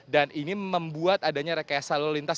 dan ini membuat adanya rekesa lalu lintas